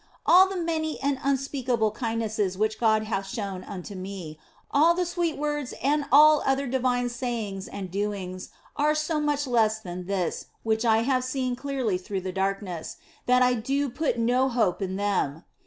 All the many and unspeakable kindnesses which God hath shown unto me, all the sweet words and all other divine sayings and doings are so much less than this which I have seen clearly through the darkness, that I do put no hope in them.